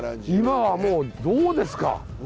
今はもうどうですか。